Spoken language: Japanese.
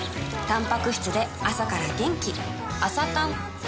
たんぱく質で朝から元気